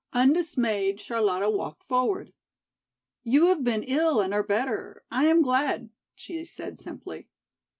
Undismayed Charlotta walked forward. "You have been ill and are better, I am glad," she said simply.